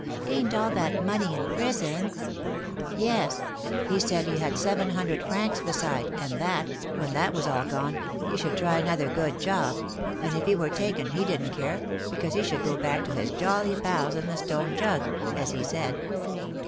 "Gained all that money in prison?" "Yes; he said he had seven hundred francs beside, and that, when that was all gone, he should try another good 'job;' and if he were taken, he didn't care, because he should go back to his jolly 'pals in the Stone Jug,' as he said."